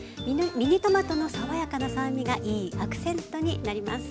ミニトマトの爽やかな酸味がいいアクセントになります。